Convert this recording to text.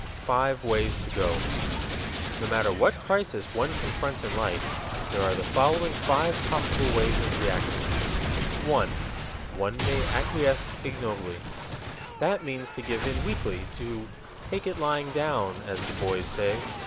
Five Ways To Go No matter what crisis one confronts in life, there are the following five possible ways of reacting: 1. One may acquiesce ignobly. That means to give in weakly, to "take it lying down," as the boys say.